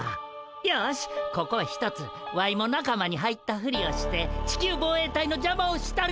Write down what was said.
よしここはひとつワイも仲間に入ったふりをして地球防衛隊のじゃまをしたるで。